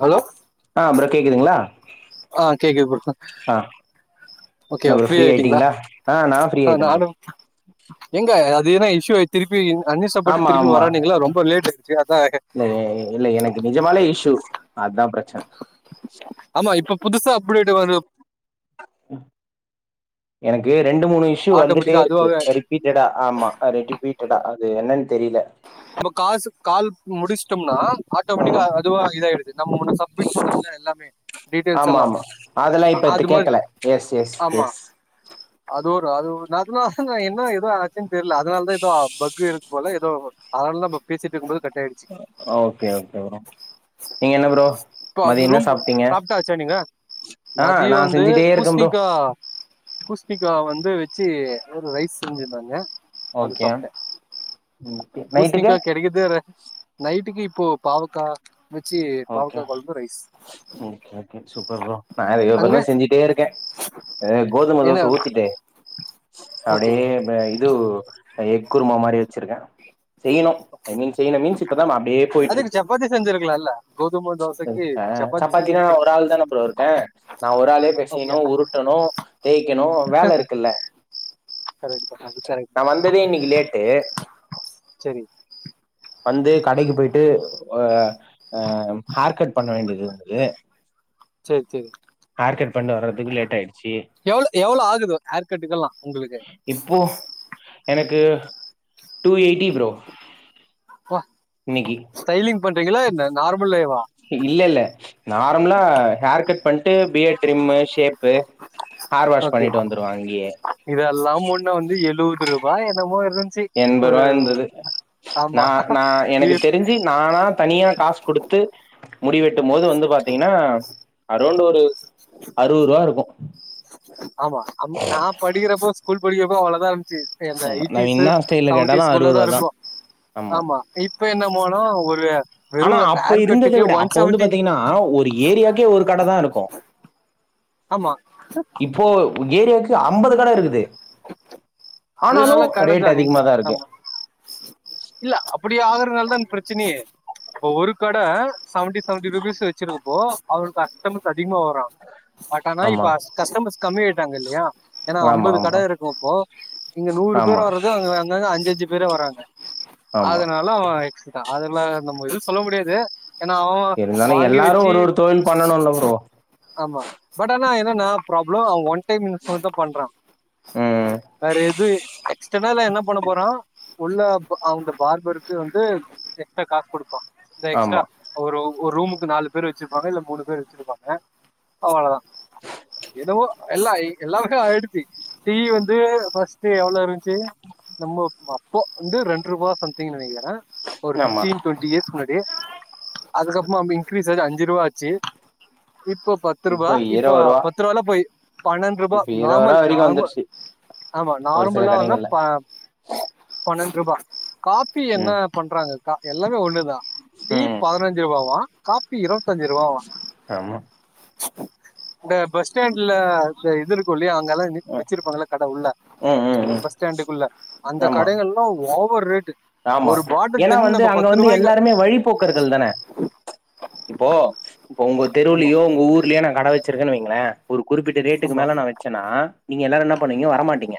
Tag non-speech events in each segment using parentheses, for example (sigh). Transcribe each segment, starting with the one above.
Hello அ bro கேக்குதுங்களா அ கேக்குது ப்ரோ ஆ என்ன ஓகேவா ப்ரோ ஃப்ரீ ஆயிட்டீங்களா ஆ நா ஃப்ரீ அ ஆயிட்டே ப்ரோ நானோ எங்க எதுனா இஷ்யூயாய் திருப்பி அன்இன்ஸ்டால் ஆமா திருப்பி ஆமா வரானீங்களா ரொம்ப லேட் ஆயிடுச்சு அதான் இல்ல எனக்கு நிஜமாலே இஷ்யு அதான் ப்ரச்சன அ இப்ப புதுசா அப்புடேட் வர எனக்கு ரெண்டு மூணு இஷ்யூ வந்துட்டே ஆட்டோமேட்டிக்கா இருக்கு அதுவாவே ரிபீட்டடா ஆமா ரிபீட்டடா அது என்னனு தெரியல ஒரு காசுக் கால் முடிஸ்டோம்னா ஆட்டோமெட்டிக்கா ம் அதுவா இதாய்டுது நம்ம முன்ன சம்மிட் பண்னோம்ல எல்லாமே டீடெயில்ஸ் ஆமா எல்லா ஆமா அதெல்லா இப்ப அது தி- மாரி கேக்கல எஸ் எஸ் ஆமா எஸ் அது ஒரு அது நா அதுதாங்க என்ன எதோ ஆ தெர்ல அதனாலதா எதோ பக் இருக்கு போல எதோ அதனாலதா இப்ப பேசிட்டு இருக்கும் போது ஓகே ஓகே ப்ரோ நீங்க என்ன ப்ரோ இப்ப அது மதிய என்ன ரூம் சாப்ட்டீங்க சாப்டாச்சா நீங்க ஆ மதிய நா வந்து செஞ்சுட்டே இருக்கே ப்ரோ பூஸ்ணிக்கா பூஸ்ணிக்கா வந்து வச்சு ஒரு ரைஸ் செஞ்சிருந்தாங்க அது ஓகே சாப்ட்டே நைட்டுக்கு பூஸ்ணிக்கா கிடைக்குறதே ரேர் நைட்டுக்கு இப் போ பாவக்கா வச்சி பாவ ம் சூப்பர் ப்ரோ நா அதே அங்க மாரிதா செஞ்சிட்டே இருக்கேன் கோதுமை என்ன தோச ஊத்திட்டே ஓகே அப்டியே இது நா எக் குருமா மாரி வச்சிருக்கே செய்யணு ஐ மீன் செய்யனு மீன்ஸ் இப்பதா அப்டியே போயிட்டு அதுக்கு இருக்கு சப்பாத்தி செஞ்சு இருக்கலால்ல கோதும தோசைக்கு சப்பாத்தி சப்பாத்தினா நா ஒரு ஆள் தான ப்ரோ இருக்கேன் நா ஒரு ஆளே ஓகே பெசயணு உருட்டணு தேய்க்கணு வேல இருக்குல்ல கரெக்ட் தா அது கரெக்ட் நா தா வந்ததே இன்னைக்கு லேட்டு செரி வந்து கடைக்கு போய்ட்டு அ அ ஹேர்க்கட் பண்ண வேண்டியது இருந்தது சேரி சேரி ஹார்கட் பண்டு வர்றதுக்கு லேட் ஆயிடுச்சு எவ்ளோ எவ்ளோ ஆகுது ஹேர் கட்டுக்கெல்லா உங்களுக்கு இப்போ எனக்கு டூ எயிட்டி பிரோ ஸ்டைலிங் பண்றீங்களா என்ன நாரு மலேவா இல்லெல்ல நார்மலா ஹேர் கட் பண்ட்டு அப்டே trim shape hair wash okay பண்ணிட்டு வந்துருவ அங்கயே இதெல்லா முன்ன வந்து எழு ரூபா என்னமோ இருந்துச்சு ஒரு எண்பருவாயிருந்துது ஆமா நா நா எனக்கு இ- தெருஞ்சு நானா தனியா காஸ் குடுத்து முடிவெட்டும்மோது வந்து பாத்தீங்கனா அரௌண்ட் ஒரு அறுவருவா இருக்கு ஆமா அம் நா படிகிறப்போ ஸ்கூல் படிகிறப்போ அவ்ளதா இ ச்சு எந்த ஆமா நம்ம எய்ட்டீஸு என்னா ஸ்டைல்ல கேட்டாலு அறுபது ஸெவன்டீஸ்குள்ளதா ரூபா தா இருக்கு ஆமா இப்ப என்ன போனோ ஒரு ஆனா வெறும் அப்ப ஹேர் இருந்தத கட்டுக்கு விட ஒன் அப்போ வந்து செவன்ட்டி பாத்தீங்கனா ஒரு ஏரியாக்கே ஒரு கடதா இருக்கு ஆமா ஏரியாக் கு அம்பது கட இருக்குது ஆனாலு அதனால கடை ரேட் தான் நீங்க சொ- அதிகமாதாருக்கு ஆமா ற்னால்தா ப்ரச்சனயே இப்போ ஒரு கட செவன்ட்டி செவன்ட்டி ருபீஸ் வச்சுரு போ அவருக் கஸ்டமர்ஸ் அதிகமா வறா பட் ஆனா இப்ப ஆமா அஸ் கஸ்டமர்ஸ் கம்மி ஆயிட்டாங்க இல்லயா ஏனா ஆமா அம்பது கட ஆமா இருக்கு அப்போ இங்க நூறு ஆமா பேர் வர்றது அங்க அங்க அஞ்சஞ்சு பேரா வராங்க ஆமா அதனாலா அவ (unintelligible) அதுல நம்ம சொல்ல முடியாது எனா அவுங்க இருந்தாலு வாங்கி எல்லாரு வெச்சி ஒரு ஒரு தொழில் பண்ணணுல்ல ப்ரோ ஆமா பட் ஆனா என்னனா ப்ரா ப்ரோ அவ்ங்க ஒன் டைம் இன்வெஸ்மென்தா பண்றா ம் வேற எது எக்ஸ்டடா அல என்ன பண்ண போறா உள்ள ப அந்த பார்பருக்கு வந்து எக்ஸ்ட்ரா காஸ் குடுப்பா இந்த எக்ஸ்ட்ரா ஆமா ஒரு ஒர் ரூமுக்கு நாலு பேர் வச்சிப்பாங்க இல்ல மூணு பேர் வச்சிருப்பாங்க அவ்வளதா எதோ எல்லா எல்லா க ஆயிடுதி டீ வந்து ஃபஸ்ட்டு எவ்ளோ இருன்ச்சு நம்ம அப்போ வந்து ரெண்ருபா சம்திங் நெனக்கிற அ ஒரு ஆமா ஃபிஃப்டீன் ட்வென்டி இயர்ஸ் முன்னா டி அதுக்கப்றமா ம இன்க்ரீஸ் ஆயி அஞ்சிருவா ஆச்சு இப்போ இப்போ பத்ருவா இப்ப இருவது ரூபா பத்ருவாலா போய் பன்னெண்ருபா இப்ப இருவது ரூபா நார்மல் வரைக்கு நார்மல் வந்துருச்சு ஆமா ஒரு சில நார்மல்லா வந்தா கடைங்கள்ல ப பன்னெண்டு ரூபா காபி என்ன ம் பண்றாங்க கா எல்லாமே ஒண்ணுதா டீ ம் பதினஞ்சு ரூபாவா காஃபி இருபத்தஞ்சு ரூபாவா ஆமா இந்த பஸ் ஸ்டாண்ட்ல்ல இது இருக் சொல்லியே அங்கலா ம் வச்சிருப்பாங்கல கடை உள்ள ம் ம் ம் ம்ச் பஸ் ஸ்டாண்டுக்குள்ள அந்த ஆமா கடைகள் எல்லாம் ஓவர் ஓவர் ரேட்டு ஆமா ஒரு பாட்டில் ஏன்னா தண்ணி வந்து நம்ம அங்க பத்து வந்து ரூபாய்ங்க எல்லாருமே வழிபோக்கர்கள் தானே ம்ச் இப்போ இப்ப உங்க ஆமா தெருலயோ உங்க ஊர்லயோ நான் கடை வச்சிருக்கேன்னு வைங் ங்களா ஒரு குறிப்பிட்ட ரேட்டுக்கு ஆமா மேலே நா வச்சேன்னா நீங்க எல்லாரும் என்ன பண்ணீங்க வரமாட்டீங்க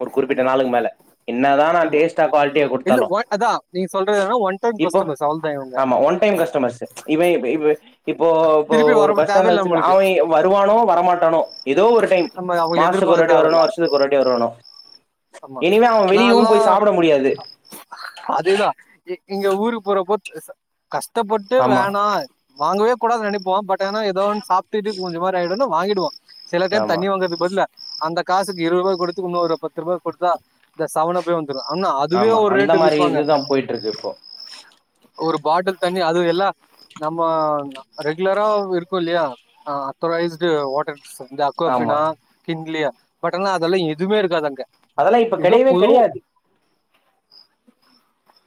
ஒரு குறிப்பிட்ட ஆமா நாளுக்கு மேல என்னதான் நா ஆமா டேஸ்ட்டா குவாலிட்டியா கொடுத்தா இல்ல தாலு அதான் நீங்க சொல்றது என்னன்னா ஒன் டைம் இப்போ கஸ்டமர்ஸ் அவ்வளவுதான் இவங்க ஆமா ஒன் டைம் கஸ்டமர் ம்ச் இவ இவன் இவ இப்போ இப்போ திருப்பி ஒரு வர பஸ் ஸ்டாண்ட்ல்ல தேவையில்லை வச்சு நம்மளுக்கு அவ வருவனோ வரமாட்டானோ ஏதோ ஒரு டைம் நம்ம அவங்க மாசத்துக்கு ஒரு எதிர்பார்க்க வாட்டி வருவானோ தேவையில்ல இல்ல வருசத்துக்கு ஒரு வாட்டி வருவானோ ஆமா இனிவே அவன் வெளியவும் போய் சாப்பிட முடியாது அதே தா இங்க ஊருக்கு போற அப்போ கஷ் ஸ்ட்ப்பட்டு ஆமா வேணா வாங்கவே கூடாதுனு நினைப்போம் பட் ஆனா ஏதோ ஒன்னு சாப்பிட்டு கொஞ்ச மாதிரி ஆயிடனும்னு வாங்கி துவா சில டைம் ஆமா தண்ணி வாங்கறதுக்கு பதில அந்த காசுக்கு இருபது ரூபா கொடுத்து இன்னோறு று பத்து ரூபா கொடுத்த இந்த சாவனப்பே வந்து ஆமா அந்த மாதிரி இதுதான் போயிட்டு இருக்கு இப்போ பாட்டல் தண்ணி அது எல்ல நம்ம ரெகுலரா இருக்கும் இல்லையா ஆஹ் அத்தோரைஸ்டு வாட்டர் ஆமா ந்தக்குபனா கிண்ட்லியா பட் ஆனா அதெல்லாம் எதுவுே இருக்காங்க அதெல்லாம் இப்ப கிடையவே கிடையாது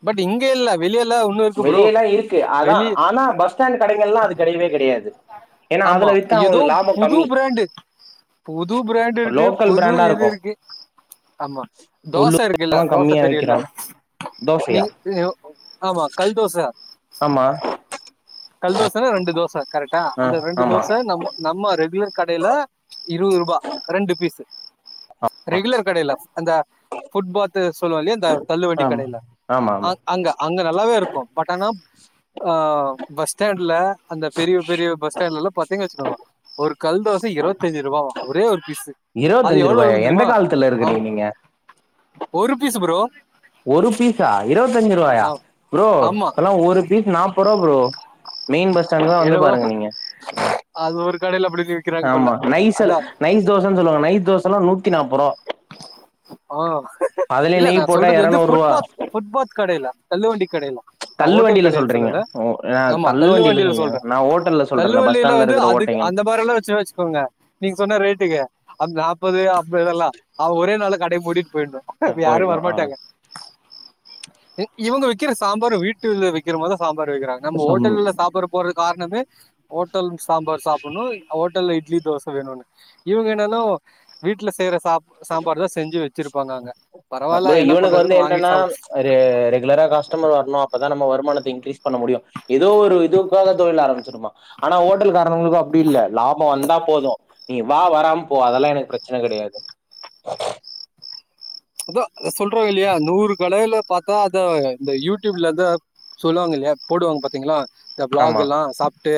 பட் இங்கே இல்ல வெளில வெளியல்லாம் இருக்கு அதான் ஆனா பஸ் ஸ்டாண்ட் கடைகள் எல்லாம் அது கிடையவே கிடையாது ஏன்னா ஆமா அதுல வி்த்தா ஏதோ அவங்களுக்கு லாபம் புது கம்மி பிராண்டு புது பிராண்ட் இருக்கு லோக்கல் புது பிராண்டா இது இருக்கும் இருக்கு ஆமா தோசை இருக்குல்ல தோசை கம்மியா தெரியல விக்கிறா நீ தோசையா ஆமா கல் தோசை ஆமா கல தோச ரெண்டு தோச கரெக்டா ஆ அந்த ரெண்டு ஆமா தோசை நம் நம்ம ரெகுலர் கடையில இருபது ரூபா ரெண்டு பீஸ் ரெகுலர் அந்த புட்பால் சொல்லுவல்லைய இந்த தள்ளூ வண்டி ஆமா கடையில ஆமா ஆமா அங்க அங்க நல்லாவே இருக்கும் பட் ஆனா ஆஹ் பஸ் ஸ்டாண்ட்ல அந்த பெரிய பெரிய பஸ் ஸ்டாண்ட்லல்லாம் பாத்தீங்கச்சு ஒரு கல் தோசை இருபத்தச்சு ரூபா ஒரே ஒரு பீஸு. அது இருபத்தஞ்சு எவ்ளோ ரூபாய் இருக்கும் எந்த தெரியுமா? காலத்துல ஆமா இருக்குறீங்க நீங்க ஒரு பீஸ் பரோ ஒரு பீஸா இருபத்தஞ்சு ரூபாயா ஆ ப்ரோ ஆமா. அதல்லாம் ஒரு பீஸ் நாற்பது ரூபா ப்ரோ மெயின் பஸ் ஸ்டாண்ட்லாம் வந்து பாருங்க நீங்க க (unintelligible) அடி ஆமா நைசல் நைஸ் தோசைன்னு சொல்லுவாங்க நைஸ் தோசை எல்லாம் நூத்தி நாற்பது ரூபா ஆஹ இல்ல நான் சொல்றது வந்து எரநூறு ரூவா புட்பா தல்லுவண்டி கடையில நான் தள்ளு ஹோட்டல் வண்டில கடைய்ல சொல்றீங்க சொல்லல ஓ நா ஆமா தள்ளு வண்டில வண்டியில சொல்லுங்க சொல்றேன் நா ஓட்டல்ல சொல்றே தள்ளு இந்த பஸ் வண்டியில ஸ்டாண்ட்ல வந்து இருக்கிற அதுக்கு ஓட்டைகள் அந்த மாதிரி எல்லாம் வச்சு வச்சுக்கோங்க நீங்க சொன்ன ரேட்டுக்கு அது நாற்பது அம்பெல்லாம் அவ ஒரே நாளைக்கு கடை மூ போயி ஆ யாரும் போயிட்ணு அவ்ளோ வரமாட்டாங்க இவங்க வைக்கிற சாம்பாரும் வீட்டு வைக்கிறமாதிரிதான் சாம்பார் வைக்கிறங்க நம்ம சம் ஹோட்டல சாப்படு போறது காரம் ந ஓட்டல் சாம்பார் சாப்னுனோய் அயோட் ஹோட்டல்ல இட்லித் தோச வேனுவாக இவங்க என்னனா ஒ வீட்ல செய்ற சாப் சாம்பாடுதஸ் ப்ரோ இவனுக்கு வந்து பண்றதுன்னு வாங்கி என்னன்னா சாப்பிட்டு ரெ ரெகுலரா கஸ்டமர் வரணு அப்பதா நம்ம வருமானத்த இங் கிரீஸ் ஸ் பண்ண முடியு எதோ ஒரு இதுவுக்கோ அந்த தொழில் ஆரம் (unintelligible) ஆனா ஓட்டல் காரனுங்களுக்கோ அப்டி இல்ல லாப வந்தா போது நீ வா வராம போ அதெல்லா எனக்கு பெரச்சன கெடையாது அதா இத சொல்றோயில்லையா நூறு (unintelligible) பாத்தா அத இந்த யூடிப்ல எதோ சொல்லுவாங்கயில்லயா போடுவாங்க பாத்தீங்களா இந்த ஆமா பிளாக்கெல்லா சாப்ட்டு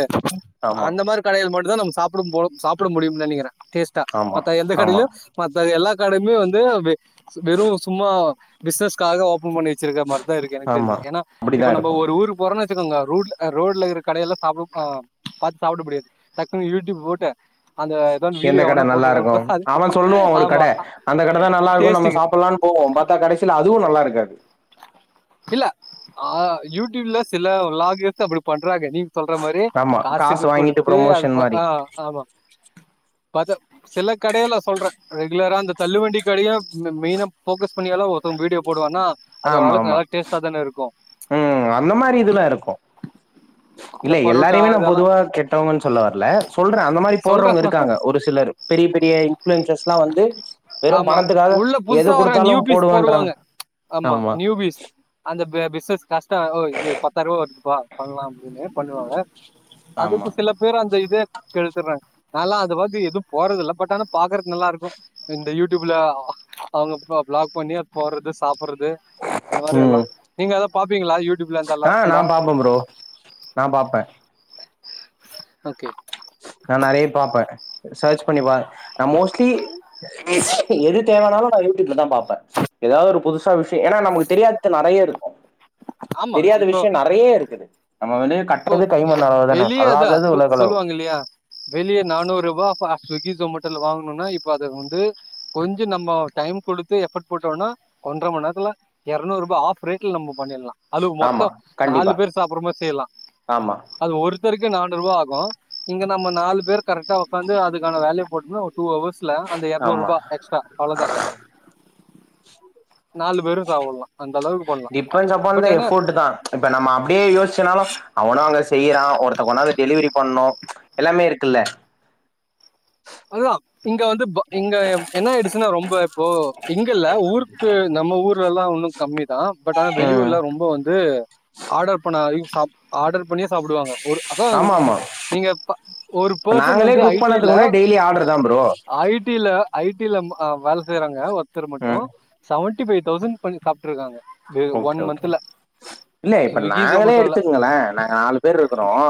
ஆமா அந்த மாரி கடைகள் மட் இதா நம் சாப்படு போலு சாப்ட முடியும்னு நெனைகிறே டேஸ்த்தா ஆமா மத்த எந்த ஆமா கடையிலுயு மத்த எல்லா கடையுமே வந்து வே வெறு சும்மா பிஸ்னஸ்க்காக ஓபன் பண்ணி ருக்க மாரிதா இருக்கு எனக்கு ஆமா தெரிஞ்சு ஏனா அப்டிதா இப்ப நம்போ இருக்கு ஒரு ஊக் போறோன்னு வச்சிகோங்க ரூட் ரோட்ல இருக்க கடையெல்லா சாப்பு பாத் சாப்புடுட முடியாது டக்குன்னு யூடியூப் போட்டு அந்த ஏதோ எந்த வீடியோ கட எவனும் போட்டிருக்கான்னு நல்லாருக்கு பார்த்தா அது அவன் சொல்லுவா ஒரு கட ஆமா அந்த கடதா நல்லாருக்குன்னு நம்ம டேஸ்ட்டுக்கு சாப்புட்லான் போவோ பாத்தா கடைசில அதுவு நல்லா இருக்காது இல்ல ஆ யூடியூப்ல சில லாக்கேர்ஸ் தா அப்டி பண் றாங்க நீங்க சொல்ற மாரி ஆமா காசு காசுக்கு வாங்கிட்டு குடுத்து ப்ரொமோஷன் அதுப்பா மாரி ஆ ஆமா பாத்தா சிலக் கடையல சொல்ற ரெகுலரா அந்த தள்ளு வண்டி கடைய மெ மெய்னா போகஸ் (unintelligible) ஒருத்தங் வீடியோ போடுவான்னா அது ஒரு ஆமா ஆளுக்கு ஆமா நல்லா எத்தன இருக்கோ ம் அந்த மாரி இதெல்லா இருக்கு இந்த இல்ல பரோட்டா எல்லாரையுமே நா இதெல்லா பொதுவா கெட்டவங்கன்னு சொல்ல வரல சொல்ற அந்த மாரி போட்றவங்க சொல்றே இருக்காங்க ஒரு சிலர் பெரிய பெரி (unintelligible) இன்ஃப்ளுவன்சர்லா வந்து வெறு ஆமா பணத்துக்காக உள்ள எது புதுசா வர குடுத்தாலு நியூபீஸ் போடுவன்றவங் போடுவாங்க ஆமா சஸ் ஃபாஸ்ட்டா ஒ இது பத்தாயிரருவா வருதுப்பா பண்ணலா அப்டின்னு பண்ணுவாங்க ஆமா அதுக்கு சில பேர் அந்த இத கெடுத்துறாங்க நாலா அது பத்தி எதும் போட்றதில்ல பட் ஆனா பாக்குறத்க்கு நல்லா இருக் கு இந்த யூடியூப்ல அவங்க பா விளாக் பண்ணி போட்றது சாப்புட்றது து அந்த மாரி எல்லா ம் நீங்க எதா பாப்பீங்களா ஆ நா பாப்பே ப்ரோ நா பாப்பே ஓகே நா நெறைய பாப்பே சர்ச் பண்ணி ப நா மோஸ்ட் (inaudible) எது தேவனாலு நா யூடியூப்ல தா பாப்பே எதாவது ஒரு புதுசா விஷ்ய ஏன்னா நமக்கு தெரியாதது நெறையருக்கு ஆமா தெரியாத இப்போ விஷயம் நெறைய இருக்குது நம்ம வெளிய இப்போ கட்றது கைமண்ண எ- ளவு தான வெளியே அதான் கல்லாதது சொ- உலகளவு சொல்லுவாங்க இல்லையா வெளியே நானூ ரூபா ஸ்விகி ஜொமோட்டல வாங்கணும்னா இப்போ அதது வந்து கொஞ்ச நம்ம டைம் கொடுத்து எஃபர்ட் போட்டோனா ஒன்ற மண் நேரத்துல எரனூற்ரூபா ஆஃப் ரேட்ல நம்ம பண்ணிட்லா அதுவு ஆமா மொத்த நாலு கண்டிப்பா பேர் சாப்பிட்றமாறி செய்லா ஆமா கொடுத்தரைக்கு நானு ரூவா ஆகு இங்க நம்ம நாலு பேர் கரக்டா வந்து அதுக்கான வேல்யூ போட்டன டூ ஹவர்ஸ்ல அந்த எரநூற் ஆமா ரூபா எக்ஸ்ட்ரா அவ்ளோதா நாலு பேரும் சாப்புட்லா அந்த அளவுக்கு பண்லா டிபெண்ட்ஸ் அப்பான் பட் த ஆனா எஃபோர்ட் தா இப்ப நம்ம அப்டியே யோசிச்சனாலு அவனு அங்க செய்யறா ஒருத்தக் கொன்னாந்து டெலிவரி பண்னு எல்லாமே இருக்குல்ல அதுதா இங்க வந்து இங்க என்ன ஆயிடுச்சுன்னா ரொம்ப இப்போ இங்கல்ல ஊருக்கு நம்ம ஊர்லல்லா இன்னும் கம்மி தா பட் ஆனா ம் வெளியூர்ல ரொம்ப வந்து ஆடர் பண்ண சா ஆடர் பண்ணியே சாப்பிடுவாங்க ஒரு அத ஆமா ஆமா நீங்க ஒரு பெர்சன் நாங்களே வந்து குக் ஐடில பண்ணதுக்கு முன்னாடி டெய்லி ஆர்டர் தா பரோ ஐடில ஐடில அ வேல செய்றாங்க இங்கரமட்டு செவன் ஃபப்டி பை தௌசண்ட் பண் சாப்ட் ருக்காங்க ஓகே ஓகே இல்ல இப்ப ஸ்விக்கி நாங்களே ஜொமேட்டோல எடுத்துக்கங்கள நாங்க நாலு பேர் ருக்கிறோம்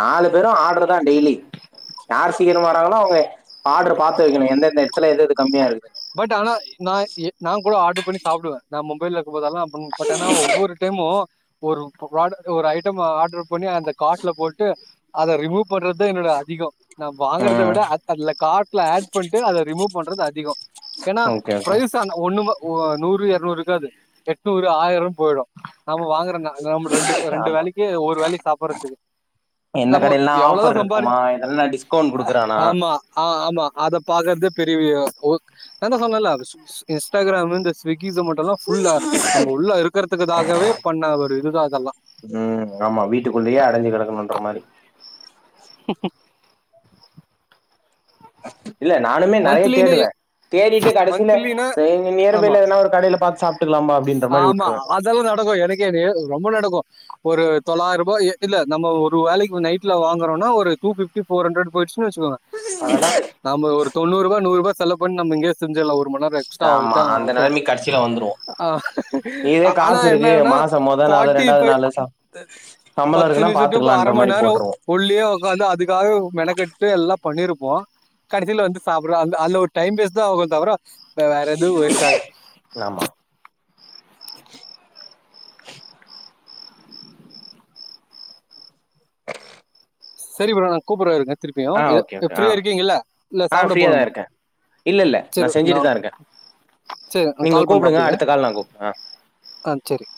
நாலு வெரு ஆட்ரு தா டெய்லி யார் சீக்கிர வராங்களோ அவங்க ஆட்ர பாத்து வைக்கணு எந்தெந்த எடத்துல எதெது கம்மியா ருக்கு பட் ஆனா நா நா கூட ஆட்ரு பண்ணி சாப்பிடுவே நா மொபைல போதெல்லாம் அப்படி போட்டேன்னா ஒவ்வொரு டைமு ஒரு ஒரு ஐட்டம் ஆட்ரு பண்ணி அந்த காட்டுல போட்டு அத ரிமூவ் பண்றது என்னோட அதிகொ நா வாங்குறத ம். விட அ காட்ல ஆட் பண்ணிட்டு அத ரிமூவ் பண்றத திக ஏன்னா ஓகே, ஓகே. பிரைஸ்தான ஒன்னு நூறு இருநூறு இருக்காது எட்நூறு ஆயிரம் போயிடும். நம் வாங்குறோங்க நம்ம ரெண்டு ரெண்டு ஆமா. வேலைக்கு ஒரு வேலைக்கு சாப்படுறதுக்கு. எந்த நம்ம கடையெல்லாம் எவ்வளவோ ஆஃபர் சம்பாரி இருக்குமா? இதெல்லாம் டிஸ்கவுண்ட் ஆஹ குடுக்குறானா? ஆமா ஆ ஆமா அத பார்க்குறது. பெரிய ஒக். நாதா சொன்னல்ல இன்ஸ்டாகிராமு இந்த ஸ்சுகி. கீத மட்டும்ல்லாம் ஃபுல்லா நம்ம உள்ள இருக்கறதுக்காகவே பண்ண ஒரு இதுதான் அதெல்லாம். ம். ஆமா வீட்டுக்குள்ளேயே அடைஞ்சு கிடக்கணுன்ற மாரி. ஆத்து. இல்ல நானுமே நிறைய மந்த்லினா தேடுவேன் தேடிட்டு கடைசியில மந்த்லினா ஆமா நியர்பைல எதனா ஒரு கடையில பார்த்து சாப்பிட்டுக்கலாம்பா அப்படின்ற மாதிரி ஆமா வுட்டுருவேன். அதெல்லாம் நடக்கும் எனக்கே நே- ரொம்ப நடக்கும் ஒரு தொள்ளாயிரம் ரூபாய இல்ல நம்ம ஒரு வேலைக்கு நைட்ல வாங்கறோம்னா ஒரு டூஃபிப்டி ஃபோர் அண்ரெடு போயிடுச்சு. வச்சுக்கோங்க ஆட நாம ஒரு நூறுபா செலவு பண்ணி நம்ம இங்கயே செஞ்சடலாம் ஒரு மணிநேரத். எக்ஸ்டா ஆமா ஆகட்டும் அந்த ஆகட்டும் நெலைமைக்கு கடைசியில வந்துருவோம். இதே ஹஹேஹ ஆனா காசு இருக்கு என்னன்ன மாசம் மொத நாளு, ஃபார்ட்டி ஃபைவ் நாளு சா சம்பளோ பத்து இருக்குன்னா நிமிஷத்து பாத்துக்கலான்ற அரைமணி மாரி நேர போட்ருவோ உள்ளியே உக்காந்து அதுக்காக மெனக்கெட்டு எல்லாம் பண்ணிருப்போம் கடைச்சில வந்து சாப்புடுலா அந் அதுல ஒரு டைம் வேஸ்ட்தான் ஆகுதோ தவர. வேற எதுவு வேஸ்ட் ஆகாது. ட்ஷ். உ உ. சரி ப்ரோ நான் கூப்புடுற இருங்க. ஆ திருப்பியும் ஓகே இ ஓகே ஆ ஃப்ரீயா இருக்கீங்கள இல்ல ஆ சாப்பிட ஃப்ரீயா தா போகணுமா. இருக்கே இல்ல இல்ல நா சேரி செஞ்சுட்டு நான் தா இருக்கே சேரி நான் நீங்க கால் பண்ணுறேன் கூப்டுங்க அப்படியே அடுத்த கால் நா கூப் ஆ ஆ சேரி.